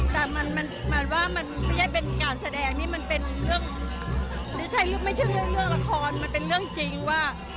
แต่มันไม่ใช่เป็นการแสดงมันเป็นเรื่องไม่ใช่เรื่องราคอนมันเป็นเรื่องจริงว่า